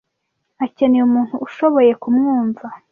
Akeneye umuntu ushoboye kumwumva.